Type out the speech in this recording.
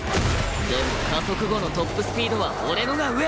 でも加速後のトップスピードは俺のが上！